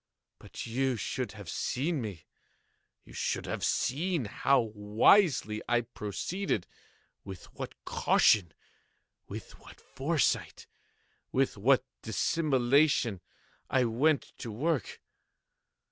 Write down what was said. But you should have seen me. You should have seen how wisely I proceeded—with what caution—with what foresight—with what dissimulation I went to work!